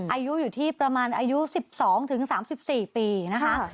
อายุอยู่ที่ประมาณอายุ๑๒๓๔ปีนะคะ